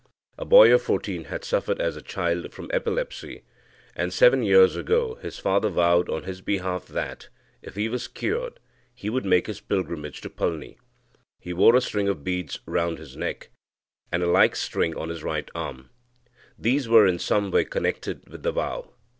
A boy of fourteen had suffered as a child from epilepsy, and seven years ago his father vowed on his behalf that, if he was cured, he would make his pilgrimage to Palni. He wore a string of beads round his neck, and a like string on his right arm. These were in some way connected with the vow.